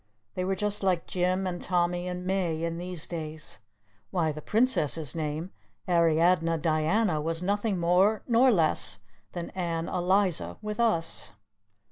They were just like Jim and Tommy and May in these days. Why, the Princess's name, Ariadne Diana, was nothing more nor less than Ann Eliza with us.